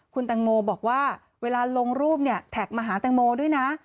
คุณแตงโมบอกว่าเวลาลงรูปเนี่ยแท็กมาหาแตงโมด้วยนะ